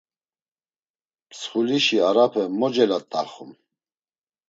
Mtsxulişi arape mo celat̆axum.